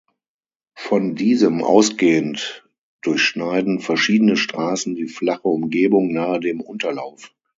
Von diesem ausgehend durchschneiden verschiedene Straßen die flache Umgebung nahe dem Unterlauf.